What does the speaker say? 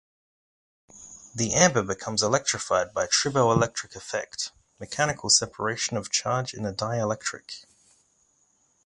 The amber becomes electrified by triboelectric effect, mechanical separation of charge in a dielectric.